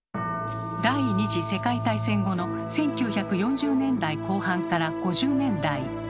第２次世界大戦後の１９４０年代後半から５０年代。